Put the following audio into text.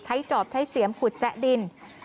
จอบใช้เสียมขุดแซะดิน